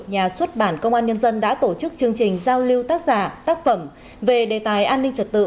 nhà xuất bản công an nhân dân đã tổ chức chương trình giao lưu tác giả tác phẩm về đề tài an ninh trật tự